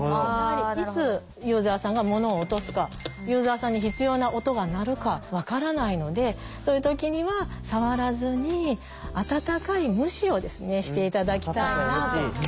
いつユーザーさんが物を落とすかユーザーさんに必要な音が鳴るか分からないのでそういう時には触らずに“温かい無視”をして頂きたいなと思っています。